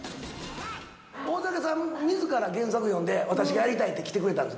大竹さんみずから、原作読んで、私がやりたいって来てくれたんです。